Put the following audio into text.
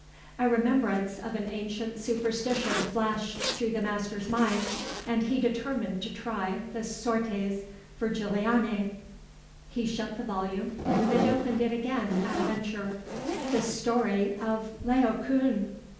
A remembrance of an ancient superstition flashed through the master's mind, and he determined to try the Sortes Virgilianae. He shut the volume, and opened it again at a venture. The story of Laocoon!